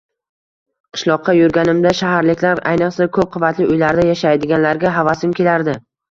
Qishloqda yurganimda shaharliklar, ayniqsa, ko`p qavatli uylarda yashaydiganlarga havasim kelardi